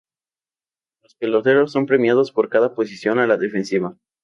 Los peloteros son premiados por cada posición a la defensiva.